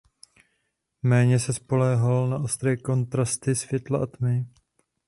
Méně se spoléhal na ostré kontrasty světla a tmy.